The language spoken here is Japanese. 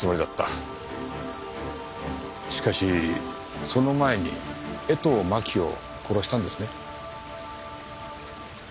しかしその前に江藤真紀を殺したんですね？